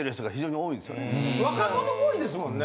若者が多いですもんね